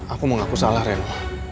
aku mengaku salah reno